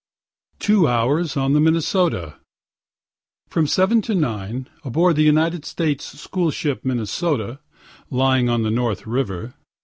TWO HOURS ON THE MINNESOTA From 7 to 9, aboard the United States school ship Minnesota, lying up the North river.